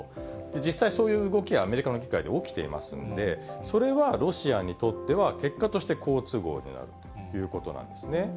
実際そういう動きはアメリカの議会で起きていますんで、それはロシアにとっては、結果として好都合になるということなんですね。